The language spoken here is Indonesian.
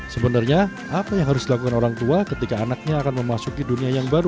sebenarnya apa yang harus dilakukan orang tua ketika anaknya akan memasuki dunia yang baru